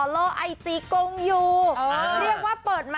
กดอย่างวัยจริงเห็นพี่แอนทองผสมเจ้าหญิงแห่งโมงการบันเทิงไทยวัยที่สุดค่ะ